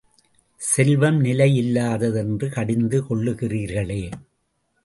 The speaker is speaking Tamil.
செல்வம் நிலையில்லாதது என்று கடிந்து கொள்ளுகிறீர்களே!